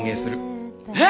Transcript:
えっ！？